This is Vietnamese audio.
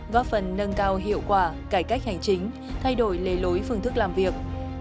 góp phần nâng cao hiệu quả cải cách hành chính thay đổi lề lối phương thức làm việc